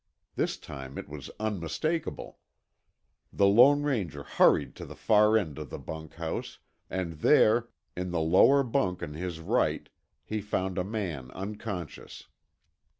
This time it was unmistakable. The Lone Ranger hurried to the far end of the bunkhouse, and there, in the lower bunk on his right, he found a man unconscious.